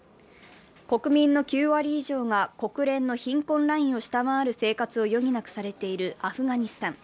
国民の９割以上が国連の貧困ラインでの生活を余儀なくされているアフガニスタン。